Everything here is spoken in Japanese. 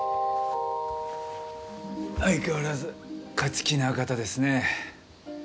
相変わらず勝ち気な方ですね。